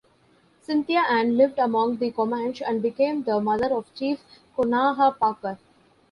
Cynthia Ann lived among the Comanche and became the mother of Chief Quanah Parker.